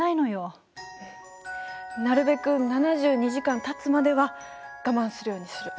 うん。なるべく７２時間たつまでは我慢するようにする。